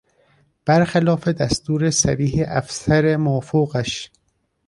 برخلاف دستور صریح افسر مافوقش